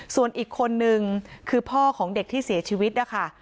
ส่วนอีกคนนึงคือพ่อของเด็กที่เสียชีวิตนะคะ